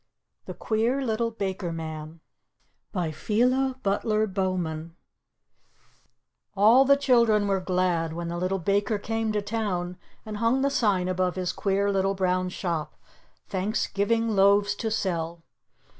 THE QUEER LITTLE BAKER MAN PHILA BUTLER BOWMAN All the children were glad when the Little Baker came to town and hung the sign above his queer little brown shop, "Thanksgiving Loaves to Sell."